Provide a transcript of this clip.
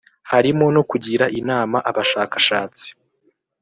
harimo no kugira inama abashakashatsi